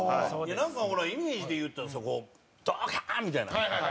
なんか、イメージで言ったらさドカーン！みたいな。